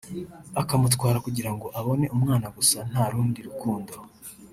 akamutwara kugira ngo abone umwana gusa nta rundi rukundo